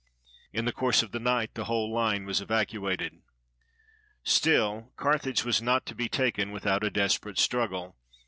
In the course of the night the whole line was evacuated. Still, Carthage was not to be taken without a desper ate struggle.